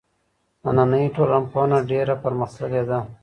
نننۍ ټولنپوهنه ډېره پرمختللې ده.